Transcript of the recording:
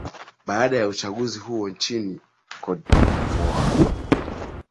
baada ya uchaguzi huko nchini cote de voire